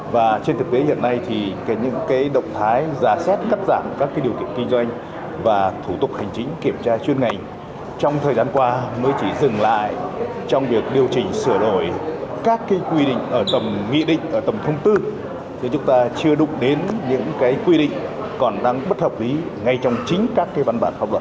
và trên thực tế hiện nay thì cái những cái động thái giả xét cắt giảm các cái điều kiện kinh doanh và thủ tục hành chính kiểm tra chuyên ngành trong thời gian qua mới chỉ dừng lại trong việc điều chỉnh sửa đổi các cái quy định ở tầm nghị định ở tầm thông tư thì chúng ta chưa đụng đến những cái quy định còn đang bất hợp với ngay trong chính các cái văn bản pháp luật